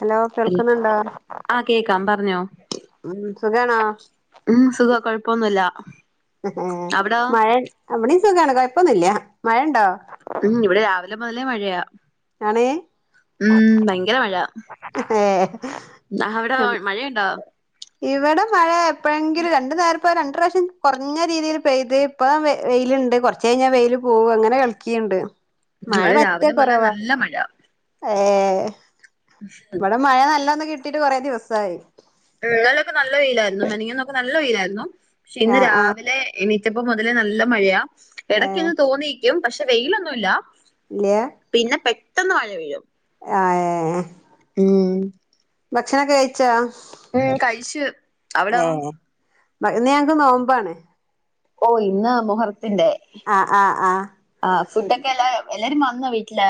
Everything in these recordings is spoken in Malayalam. ഹലോ കേൾക്കുന്നുണ്ടോ ആഹ് കേക്കാം പറഞ്ഞോ ഉം സുഖണാ ഉം സുഖവാ കൊഴപ്പൊന്നുല്ല അവിടോ മഴ ഇവിടെയും സുഖാണ് കൊഴപ്പൊന്നുല്ല്യാ മഴ ഇണ്ടോ? ടേം മഴയാ ആണ് ഉം ഭയങ്കര മഴ അവിടെ മഴയുണ്ടോ ഇവിടെ മഴ എപ്പോഴെങ്കിലും രണ്ടു നേരം ഇപ്പൊ രണ്ട് പ്രാവശ്യം കുറഞ്ഞ രീതിയിൽ പെയ്ത് ഇപ്പ വെയില്ണ്ട് കൊറച്ച് കഴിഞ്ഞാൽ വെയില് പോകും അങ്ങനെ കളിക്കണ്ട് മഴ ഇവിടെ പറ്റെ രാവിലെ മുതലേ കുറവാ നല്ല മഴ ഏ ഇവിടെ മഴ നല്ലൊന്ന് കിട്ട് ട്ടിട്ട് കുറേ ദിവസായി ഇന്നലൊക്കെ നല്ല വെയിലായിരുന്നു മെനങ്ങാന്നൊക്കെ നല്ല വെയിലായിരുന്നു പക്ഷെ ഇന്ന് ആ ആ രാവിലെ എണീ റ്റപ്പോ മുതലേ നല്ല മഴയാ ഏ ഇടക്കൊന്ന് തോന്നിക്കും പക്ഷെ വെയിലൊന്നുല്ലാ ഇല്ല്യ പിന്നെ പെട്ടെന്ന് മഴ വീഴും ആഏ ഉം ഭക്ഷണൊക്കെ കഴിച്ചാ ഉം കഴിച്ച് അവിടോ? ഇന്ന് ഞങ്ങക്ക് നോമ്പാണ് ഓ ഇന്ന് മുഹർത്തിന്റെ ആ ആ ആ ആ ഫുഡൊക്കെല്ല എല്ലാരും വന്നോ വീട്ടില്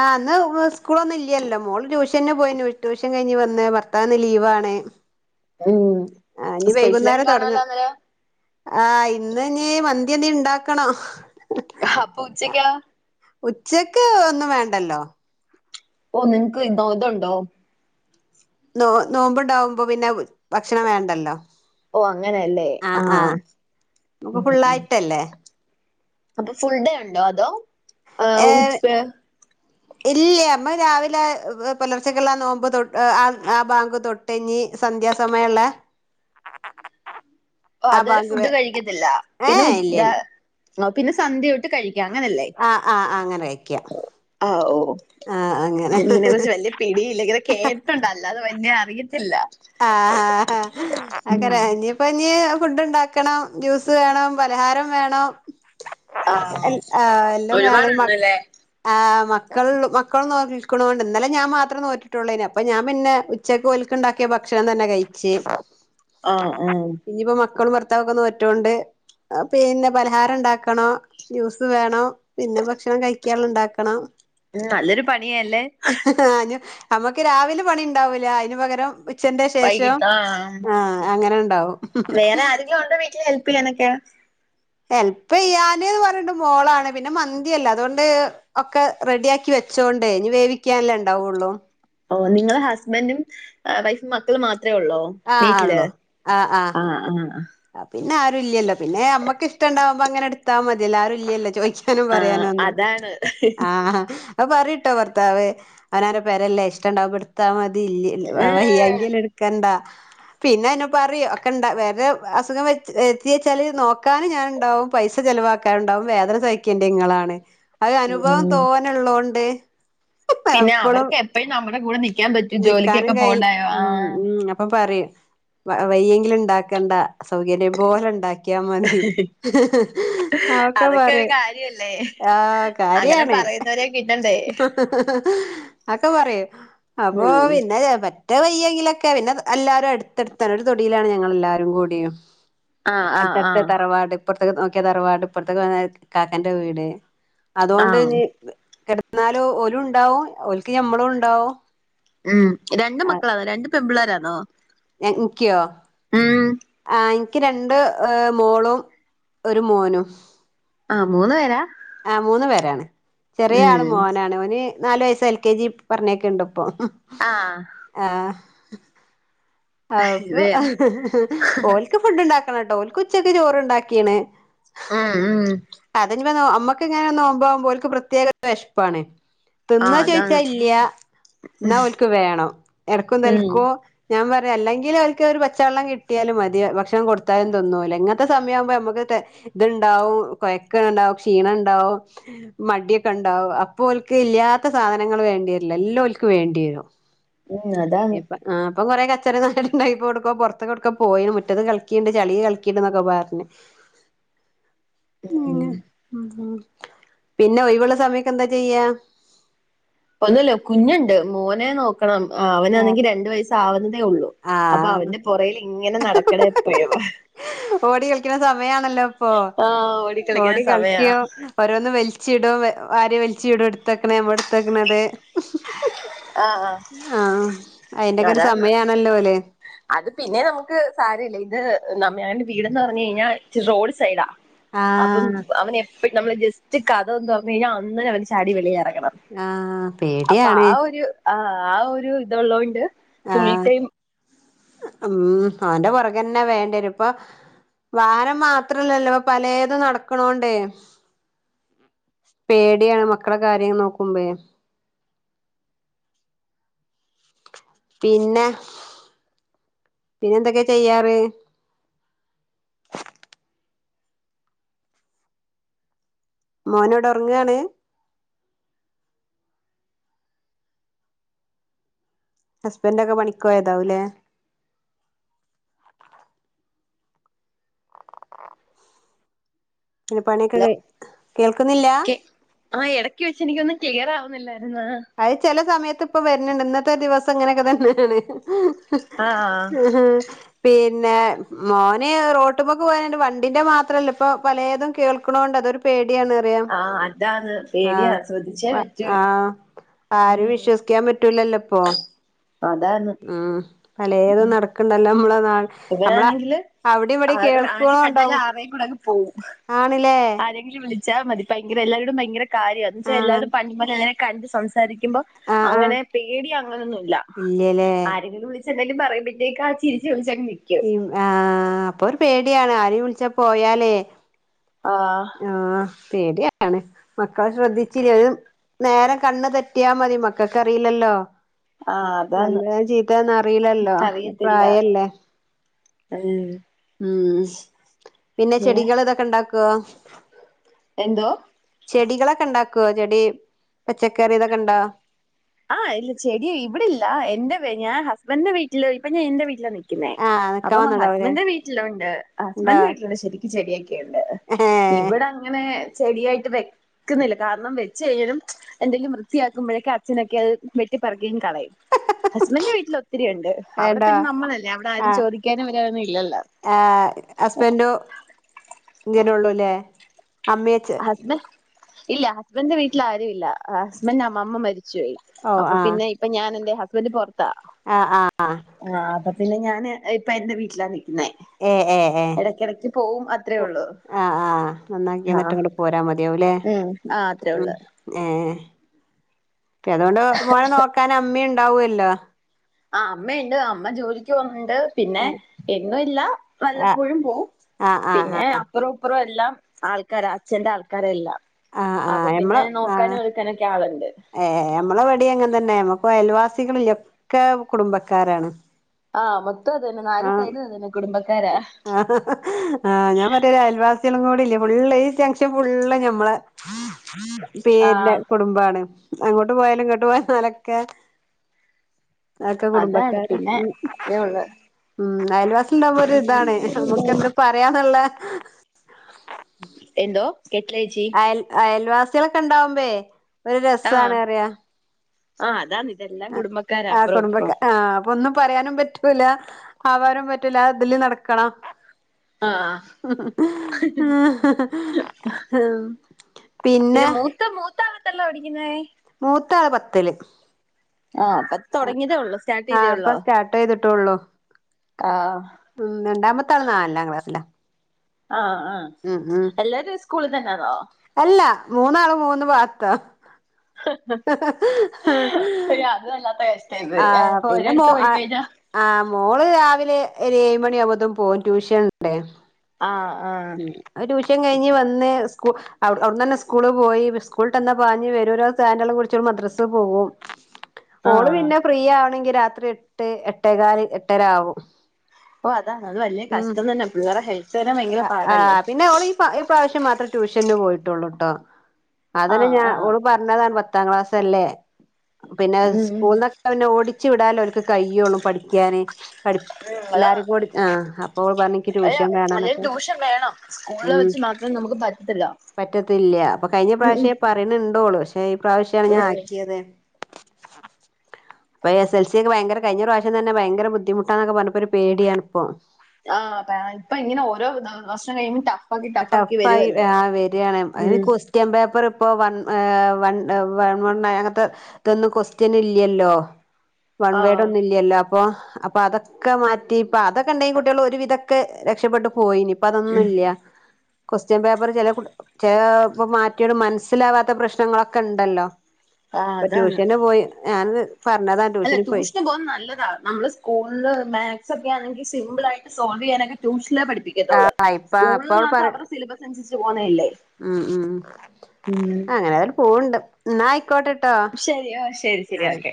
ആ ന്ന് സ്കൂളൊന്നു ഇല്ലല്ലോ മോൾ ട്യൂഷ ന്നെ പോയി ട്യൂഷൻ കഴിഞ്ഞ് വന്ന് ഭർത്താവിന്ന് ലീവാണ് ഉം ആ സ്പെഷ്യലാകെ കാണല്ലോ ന്നലെ ആഹ് ഇന്നിനി മന്തി ഇണ്ടാക്കണോ അഹ് അപ്പൊ ഉച്ചക്ക ഉച്ചക്ക് ഒന്നും വേണ്ടല്ലോ ഓ നിങ്ങക്ക് ഇതോ ഇതുണ്ടോ നോ നോമ്പുണ്ടാവുമ്പോ പിന്നെ ഭക്ഷണം വേണ്ടല്ലോ ഓ അങ്ങനെയല്ലേ ആഹ് ആഹ് നോബ് ഫുള്ളായിട്ടല്ലേ അപ്പോ ഫുൾ ഡേ ഒണ്ടോ അതോ ആഹ്‌ [unintelligible] ഇല്ല്യ മ്മ രാവിലെ പൊലർച്ചെക്ക്ള്ള നോമ്പ് തൊ ആഹ് ആഹ് ബാങ്ക് തൊട്ടെഞ്ഞി സന്ധ്യാസമയല്ലേ ഓ അതുവരെ ഫുഡ് കഴിക്കത്തില്ല ഏ പിന്നെ ഇല്ല ഇല്ല പിന്നെ സന്ധ്യോട്ട് കഴി ആ ആ അങ്ങനെ വെക്ക ആ ഓ ഓ ഇങ്ങനെ ച്ച് വല്യ പിടിയില്ല ഇങ്ങനെ കേട്ടണ്ട് അല്ലാതെ വല്ല്യെ അറിയത്തില്ല ആഹ് ആാ ആാ ഉം ഞ്ഞിപ്പഞ്ഞി ഫുഡ് ണ്ടാക്കണം ജ്യൂസ് വേണം പലഹാരം വേണം എ ആഹ് ആ എല്ലാം വേണം മക് ഒരുപാടുണ്ടല്ലേ ആ മക് മക്കൾ മക്കൾ [unintelligible] ഇന്നലെ ഞാൻ മാത്രം നോറ്റിട്ടുളെന്ന് അപ്പോ ഞാൻ പിന്നെ ഉച്ചക്ക് ഓൽക്ക് ഇണ്ട ക്കിയ ഭക്ഷണം തന്നെ കഴിച്ച് ആഹ് ആഹ് മക്കളു ഭർത്താവോക്കെ നോറ്റോണ്ട് പിന്നെ പലഹാരം ഒണ്ടാക്കണോ ജ്യൂസ് വേണോ പിന്നെ ഭക്ഷണം കഴിക്കഉള്ള ഇണ്ടാക്കണം ഉം നല്ലൊരു പണിയല്ലേ ആ നമുക്ക് രാവിലെ പണി ഉണ്ടാവൂല്ല അയിന് പകരം ഉച്ചന്റെ ശേഷം വൈകിട്ട് ആഹ് ആ അങ്ങനെ ഇണ്ടാവും വേറെ ആരെങ്കിലും ഒണ്ടോ വീട്ടി ഹെൽപ്പ് ചെയ്യാനൊക്കെ ഹെൽപെയ്യാന് പറയണ്ട് മോളാണ് പിന്നെ മന്തിയല്ലെ അതുകൊണ്ട് ഒക്കെ റെഡി ആക്കി വെ പച്ചോണ്ടേ ഇനി വേവിക്കാനല്ലേ ഇണ്ടാവുള്ളൂ ഓഹ് നിങ്ങ്ള് ഹസ്ബൻറ്റും വൈഫും മക്കളും മാ അത്ര ഉള്ളൂ ആഹ് വീട്ടില് ആ ആ ആ പിന്നെ ആരു ഇല്ലോ പിന്നെ അമ്മക്ക് ഇഷ്ടണ്ടാവുമ്പോ അങ്ങനെ എടുത്താ മതിയല്ലോ ആരു ഇല്ലല്ലോ ചോയിക്ക നും ആഹ് പറയാനൊന്നു അതാണ്. ആ അപ്പ പറയയിട്ടോ ഭർത്താവ് അവന അവന്റെ പരല്ലേ ഇഷ്ടണ്ടാവുബടുത്തമ ഇല്ലല്ലോ ഉം വയ്യായ് എടുക്കേണ്ട പിന്നെ അയിന പറി ഒകെ ഇണ്ട് അസുഖം വെര്ത് വെര്ത്തിച്ചാല് നോക്കാനും ഞാനുണ്ടാവും പൈസ ചെലവാക്കാനുണ്ടാവും വേദന സഹിക്കേണ്ട ഇങ്ങളാണ് അത് അനുഭവം ഉം തോന്നെള്ളൊണ്ട് പിന്നെ അവർക്ക് എപ്പഴും നമ്മുടെ കൂടെ നി നിക്കാനും കയ്യിൽ മം മം അപ്പൊ പറയും വയ്യെങ്കില് ണ്ടാക്കണ്ട സൗകര്യം പോലെ ണ്ടാക് കിയാ മതി ആക്കെ അതൊക്കെ ഒരു പറിം കാര്യല്ലേ. ആ അങ്ങനെ കാര്യാണ് പറയുന്നവരെ കിട്ടണ്ടേ അക്കെ പറയും അപ്പൊ ഉം പിന്നെ പ വയ്യെങ്കിലൊക്കെ പിന്നെ എല്ലാരും എടുത്തെടുത്താണ് ഒരു തൊടീലാണ് ഞങ്ങളെല്ലാരും കൂടിയും ആഹ് ആഹ് അത്തത്ത ആഹ് തറവാട് ഇപ്പർത്ത്ക്ക് നോക്കിയാ തറവാട് ഇപ്പർത്തക്ക് വന്നാ കാക്കന്റെ വീട് അതുകൊണ്ട് ആഹ് ഞ്ഞി എന്നാലു ഓലു ഉണ്ടാവും ഓൽക്ക് നമ്മളും ഉണ്ടാവും ഉം രണ്ട് മക്കളാണോ രണ്ട് പെൺപിള്ളേരാണോ താങ്ക്യു ആ എനിക്ക് രണ്ട് മോളും ഒരു മോനും ആഹ മൂന്ന്ു പേരാ ആ മൂന്ന് പേരാണ് ചെറിയ ആള് ഉം മോനാണ് അവന് നാലു വയസ്സ് എൽ കെ ജി പറഞ്ഞൊയ്ക്ക്ണ്ട് ഇപ്പൊ ആഹ് ആഹ് ഔപ്പൊ വേറെ ഓല്ക്ക് ഫുഡ് ഉണ്ടാക്കണം ട്ടോ ഓല്ക്ക് ഉച്ചക്ക് ചോറ്ണ്ടാക്കീണ് ആഹ് ആഹ് ഇ നമ്മക്ക് ങ്ങനെ നോമ്പകുമ്പ പ്രത്യേക [unintelligible] വെശ് പ്പാണ് തിന്നോ ആഹ് അതാണ് ചോയ്ച്ചാ ഇല്ല്യ ന്നാ ഓൽക്ക് വേണം എടക്കൊ തതി [unintelligible] ഉം ലക്കൊ ഞാൻ പറ അല്ലെങ്കിലു ഓല്കൊരു പച്ചള്ളം കിട്ടിയാലും മതി ഭക്ഷണം കൊടുത്താലും തിന്നൂല്ല ഇങ്ങനത്തെ സമയാവുമ്പോ നമുക്ക് ടെ ഇത്ണ്ടാവും കൊയക്ക ഉണ്ടാവും ക്ഷീണ ഉണ്ടാവും മടിയൊക്കെ ഉണ്ടാവും അപ്പോൽക്ക ഇല്ല ഇല്ലാത്ത സാധനങ്ങൾ വേണ്ട്യേരില്ല എല്ലലോൽക്ക് വേണ്ട്യേരും ഉം അതാണ് ചെറ നാടി [unintelligible] ണ്ടായിപ്പോ ഒട്ക്കോ പൊറ് ത്ത്കൊട്ക്കോ പോയിന് മുറ്റത് കളിക്കിണ്ട് ചളി കളിക്കിണ്ട് ന്നൊക്കെ പറഞ്ഞ് ഉം ഉം പിന്നെ ഒഴിവ്ള്ള സമയൊക്കന്താ ചെയ്യാ ഒന്നുല്ല കുഞ്ഞുണ്ട് മോനെ നോക്കണം ആഹ് അവനാണെങ്കി രണ്ടു വയസ് ആവുന്നതേ ഉള്ളൂ അപ്പ ആഹ് അവന്റെ പു റേയിൽ ഇങ്ങനെ നടക്കണ എപ്പോഴും ഓടി കളിക്ക്ണ സമയം സമയാണല്ലോ ഇപ്പൊ ആ ഓടിക്കളിക്കുന്ന ഓടി സമയാ കളിക്കു ഓരോന്ന് വലിച്ചിടും വാര്യ വലിച്ച ഇടും എടുത്തക്കണേ നമ്മ എടുത്ത ക്ക്ണതെ ഹ് ആ ആ ഹ് ഹ്ആഹ് അയിന്റെക്കെ ഒരു അതാണ് സമയ അത് പിന്നെ നമക്ക് സാരല്യ ഇത് നമ്മെ [unintelligible] വീടെന്ന് പറഞ്ഞഞ് കഴിഞ്ഞാ റോഡ് സൈഡാ അപ്പം ആഹ് അവന് എപ്പ നമ്മള് ജസ്റ്റ് കഥകൊന്ന [unintelligible] ഴിഞ്ഞാൽ അന്നനെ അവന് ചാടി വിളിയാ ആഹ് [inaudible] അപ്പ പേടിയാണ് ആ ഒരു ആഹ് ആഹ് ഒരു ഇതുള്ളോണ്ട് ഫുൾ ആഹ് ടൈം ഉം അവന്റെ പുറകന്നെ വേണ്ട രുംഇപ്പൊ വാരം മാത്രല്ലല്ലോ പലേതും നടക്ക്ണോണ്ടേ പേടിയാണ് മക്കളെ കാര്യങ്ങ നോക്കുമ്പെ പിന്നെ പിന്നെ എന്തൊക്കെ ചെയ്യാറ് മോനോടെ ഒറ്ങ്ങാണ് ഹസ്ബന്റൊക്കെ പണിക്കോയതാവുലേ പിന്നെ പണിയൊക്കെ ഹലോ കേൾക്കുന്നില്ല ക്കെ ആഹ് എടക്ക് വെച്ച് എനിക്കൊന്നും ചെയ്യാറാവുന്നില്ല അഹ് ചെല സമയത്ത് ഇപ്പ വരുന്ണ്ട് ഇന്നത്തെ ദിവസം ഇങ്ങനെക്കെ തന്നെണ് ആ ആഹ് പേ പിന്നെ മോന് റോട്ട്മൊക്ക് പോഹേൽണ്ട് വണ്ടിന്റെ മാത്രല്ല ഇപ്പൊ പലേതും കേൾക്ക്ണോണ്ട് അതൊരു പേടി യാണ് അറിയാ ആ അതാണ് പേടിയാ ശ്രദ്ധിച്ചേ ആഹ്ഇപ്പ പറ്റൂ ആഹ് ആരും ഉം വിശ്വസിക്കാൻ പറ്റൂലല്ലോപ്പൊ അതാണ് ഉം പലേതും നടക്ക്ണ്ടല്ലോ നമ്മളെ നാട്ട് നമ്മള അവിടെ ഇവിടെ ആറ് ആരേം കണ്ടല കേൾക്കണുണ്ടാവും ആരേയും കൂടെ ങ്ങ് പോകും ആണില്ലേ ആരെങ്കിലും വിളി ച്ചാമതി ഭയങ്കര എല്ലാരൊടും ഭയര കാര്യ എന്ന വച്ചാ ആഹ് എല്ലാരും പണി അങ്ങനെ കണ്ട് സം സംസാരിക്കുമ്പോ ആഹ് ആഹ് അങ്ങനെ പേടി അങ്ങനൊന്നുല്ല ഇല്ലല്ലേ ആരെങ്കിലും വിളി എന്തെലും പറയുമ്പോത്തേക്കാ ചിരി [unintelligible] വിള [unintelligible] ഉം ആഹ് അപ്പൊരു പേടിയാണ് ആരെയും വിളിച്ച പോയാലേ ആ ആഹ് പേട്യോണ് മക്കളെ ശ്രദ്ധിച്ചില്ലേല്ലും നേരം കണ്ണ് തെറ്റിയാ മതി മക്കക്കറീല്ലല്ലോ ആ അതാണ് നല്ലോ ചീത്തേണോ അറീല്ലല്ലോ ആഹ് പ്രായല്ലേ അൽ ഉം പിന്നെ ചെടികളും ഇതൊക്കെ ഇണ്ടാക്കോ എന്തോ ചെടികളൊക്കെ ഇണ്ടാക്കോ ചെടി പച്ചക്കറി ഇതൊക്കെ ഉണ്ടോ ആഹ് ഇല്ല ചെടി ഇവിടല്ല എന്റെ [unintelligible] ഞാൻ ഹസ്ബൻ്റിന്റെ വീട്ടില ഇപ്പ ഞാൻ എന്റെ വീട്ടിലാണെ ഇരിക്കുന്നെ ആഹ് നിക്കാൻ അപ്പം വന്നതാവുല്ലേ ഹസ്ബന്റ് വീട്ടിലുണ്ട്. ഇണ്ടോ ഹസ്ബൻ്റ് വീട്ടിലുണ്ടെ ശെരിക്കും ചെടിയൊക്കെ ക്കെയ്ണ്ട്. ഏഹ് ഇവിടെ അങ്ങനെ ചെടിയായിട്ട് വെക്ക്‌ന്നില്ല, കാരണം വെച്ചഴിഞ്ഞാലും എന്തെങ്കിലും വൃത്തിയാക്കുമ്പോഴേക്ക് അ ച്ഛനൊക്കെ അത് വെട്ടിപ്പറക്കിയങ്ങ് കളയും. ഹസ്ബന്റിന്റെ വീട്ടില് ഒത്തിരിയുണ്ട്. അവിടെ വേണ്ടോ പിന്നെ നമ്മളല്ലേ അവിടെ ആരും ചോദിക്കാനും വരാനൊന്നും ഇല്ലല്ലോ. ഹസ്ബന്റോ ല്ലേ, അമ്മിയച്ച ഹസ്ബൻഡ് ഇല്ല ഹസ്ബൻ്റിൻ്റെ വീട്ടിൽ ആരുമില്ല ഹസ്ബൻ്റിൻ്റെ അമ്മാമ്മ മരി ച്ചോയി. ഓഹ് അപ്പൊ ആഹ് പിന്നെ ഇപ്പൊ ഞാനെന്റെ ഹസ്ബന്റ് പൊറത്താ ആഹ് ആഹ് പിന്നെ ഞാന് ഇപ്പ എന്റെ വീട്ടിലാ നിൽക്കുന്നേ, ഏഹ് ഏഹ് ഏഹ് ഇടക്കിടക്ക് പോകും അ അത്രേ ഒള്ളു. ആഹ് ആഹ് നന്നാക്കി എന്നിട്ടിങ്ങട്ട് പോരാ മതിയാവുല്ലേ, ഉം ആ അത്രേ മ്മ് ഉള്ളൂ ഏഹ് ക്കെ അതോണ്ട് മോനെ നോക്കാന് അമ്മയുണ്ടാവുമല്ലോ ആഹ് അമ്മയ്ണ്ട് അമ്മ ജോലിക്ക് പോക്ണ്ട് പിന്നെ ആഹ് എന്നുംല്ല വല്ലപ്പോഴും പോവും. ആഹ് ആഹ് പിന്നെ അപ്പറം ഇപ്പറം എല്ലാം ആൾക്കാര അച്ഛന്റെ ആൾക്കാരാ എല്ലാം, ആഹ് അപ്പൊ ആഹ് പിന്നെ നമ്മള് ആഹ് നോക്കാനും എടുക്കാനൊക്കെ ആളുണ്ട്. ഏഹ് ഞമ്മളെ ഇവടിം അങ്ങനെ തന്നെ ഞമ്മക്കും അയൽവാസികളില്ല ഒക്കെ കുടുംബക്കാരാണ്. ആഹ് മൊത്തം അതന്നെ നാല് സൈഡും അതന്നെ കുടുംബ ആഹ് ഹ ഹ ആഹ് ഞാൻ മറ്റെരു അയൽവാസികളും കൂടിയില്ല ഫുള്ള് ഈ ജംക്ഷ ഫുള്ള് ഞമ്മളെ പേരിന് ആഹ് കുടുംബാണ് അങ്ങോട്ട് പോയാലും ഇങ്ങോട്ട് പോന്നാലൊക്കെ അതൊക്കെ അതാണ് കുടുംബക്കാരാ, പിന്നെ അതേ ഉള്ളു മ്മ് അയൽവാസി ഇണ്ടാവൊ ഇതാണ് നമുക്ക് എന്തും പറയാന്ന്ള്ള എന്തോ കേട്ടില്ല ഏച്ചി അയൽവാസികളൊക്കെണ്ടാവുമ്പേ ഒരു ആഹ് രസാണറിയാ ആഹ് അതാണ് ഇതെല്ലാം കുടുംബക്കാര ആ അപ്പറോം കുടുംബക്ക ഇപ്പറോം ആ അപ്പൊ ഒന്നും പറയാനും പറ്റൂല ആവാനും പറ്റൂല ആ ഇതില് നടക്കണം ആഹ് [inaudible] മ്മ് പിന്നെ മൂത്ത, മൂത്ത ആളെത്രയിലാ പഠിക്കുന്നേ മൂത്ത ആള് പത്തില്. ആഹ് അപ്പ തുടങ്ങിയതേ ഉള്ളൂ സ്റ്റാർട്ട് ചെയ്തേ ആഹ് അപ്പൊ ഉള്ളൂ സ്റ്റാർട്ടെയ്തിട്ടൊള്ളു ആഹ് ഹ്മ്മ്, രണ്ടാമത്തെ ആള് നാലാം ക്ലാസ്സിലാ ആഹ്, ആഹ് ഉം ഉം എല്ലാരും ഒരു സ്കൂളിൽ തന്നാന്നോ? മൂന്നാളും മൂന്ന് ഭാഗത്താ അയ്യോ അത് [inaudible] വല്ലാത്ത കഷ്ടാ ഇത് ആഹ് ഇപ്പൊ പിന്നെ മോ ഒരിടത്ത് പോയി ആ കഴിഞ്ഞാ ആഹ് മോള് രാവി ലെ ഒരു ഏഴ് മണിയാകുമ്പോത്തും പോകും ട്യൂഷൻ ഉണ്ടേ ആഹ് ആഹ് ഉം അത് ട്യൂഷൻ കഴിഞ്ഞു വന്ന് സ്കു അവിട്ന്നഞ്ഞെ സ്കൂള് പോയി സ്കൂള്ട്ടന്നാ പാഞ്ഞ് വരും ഒരാള്സ്സ് ചെയ്ൻറ്റള്ളം കുടിച്ച് മദ്രസ്സ് പോവും, ഓള് ആഹ് പിന്നെ ഫ്രീയാണെങ്കിൽ രാത്രി എട്ട് എട്ടേകാല് എട്ടര ആവും. ഓഹ് അതാണ് അത് വലിയ കഷ്ടം തന്ന പിള്ളേരെ ഹെൽത്ത് തന്നെ ഭയങ്കര ആഹ് പാടല്ലേ ആഹ് പിന്നെ ഓള് ഈ ഈ പ്രാവിശ്യം മാത്രേ ട്യൂഷന് പോയിട്ടൊള്ളൂട്ടോ അതന്നെ ആഹ് ഞാ ആഹ് ഓള് പറഞ്ഞതാണ് പത്താം ക്ലാസ്സല്ലേ പിന്നെ ഉം ഉം സ്കൂൾന്നൊക്കെ പിന്നെ ഓടിച്ചു വിടാലലൊള്ളൂകയ്യോള്ളൂ പഠിക്കാന് പഠി അതാ എല്ലാരും കൂടി ആഹ്, അപ്പോൾ പറഞ്ഞ് ഇൻക് അല്ല ട്യൂഷൻ വേണം ന്ന് അല്ലേലും ട്യൂഷൻ വേണം സ്കൂളിൽ ഉം, വെച്ച് മാത്രം നമുക്ക് പറ്റത്തില്ല പറ്റത്തില്ല അപ്പൊ കഴിഞ്ഞ ഉം ഉം പ്രാവശ്യേ പറിന് ണ്ടോള്, പക്ഷേ ഈ പ്രാവശ്യാണ് ഉം ഞാൻ ഉം ആക്കിയത്. അപ്പ എസ് എൽ സി ഒക്കെ ഭയങ്കര കഴിഞ്ഞ പ്രാവശ്യം തന്നെ ഭയങ്കര ബുദ്ധിമുട്ടന്നക്കെ പറഞ്ഞപ്പോ ഒരു പേടിയാണ് ഇപ്പൊ ആ ഇപ്പ ഇങ്ങനെ ഓരോ വർഷം കഴിയ്മ്പോ ട ടഫ് ആയി ആ വരിയാണ് അതിന് ഉം ക്വസ്റ്റ്യൻ പേപ്പർ ഇപ്പൊ വ ഏ വ വൺ അങ്ങനത്തെ ഇതൊന്നും ക്വസ്റ്റ്യൻ ഇല്ലല്ലോ വൺവേട് ആഹ് ഒന്നും ഇല്ലല്ലോ അപ്പൊ അപ്പൊ അതൊക്കെ മാറ്റി ഇപ്പൊ അതൊക്കെ ഉണ്ടെങ്കിൽ കുട്ടികൾ ഒരു വിധൊക്കെ രക്ഷപ്പെട്ടു പോയിനി ഇപ്പ അതൊന്നും ഉം ഇല്ല ക്വസ്റ്റ്യൻ പേപ്പർ ചില ചില ഇപ്പോ മാറ്റിയോട് മനസ്സിലാവാത്ത പ്രശ്നങ്ങളൊക്കെ ഉണ്ടല്ലോ ആഹ് ഇപ്പൊ അതാണ് ട്യൂഷന് പോയി ഞാന അല്ല ട്യൂഷന് പോകുന്നത് നല്ലതാ നമ്മള് സ്കൂളില് മാത്‍സ് ഒക്കെ ആണെങ്കിൽ സിമ്പിള് ആയിട്ട് സോൾവ് ചെയ്യാനൊക്ക ട്യൂ പഠിപ്പിക്കത്തുള്ളൂ ആ ഇപ്പ അപ്പ അവള് സ്കൂളിനകത്ത് പറ അവരുടെ സിലബസ് അനുസരിച്ച് പോന്നഅല്ലേ ഉം ഉം അങ്ങനെ അവര് പൂവണ്ട് ക്കോട്ടിട്ടോ ശരി ഓ ശരി ശരി ഓക്കെ